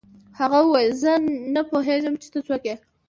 هغه وویل زه نه پوهېږم چې ته څوک یې